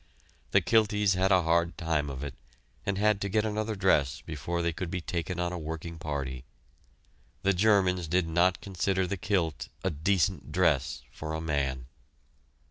The Kilties had a hard time of it, and had to get another dress before they could be taken on a working party. The Germans did not consider the kilt a "decent dress" for a man.